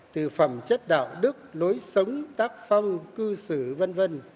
từ phẩm chất đạo đức lối sống tác phong cư xử v v